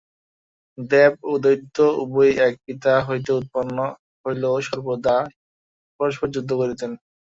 দেব ও দৈত্য উভয়েই এক পিতা হইতে উৎপন্ন হইলেও সর্বদাই পরস্পর যুদ্ধ করিতেন।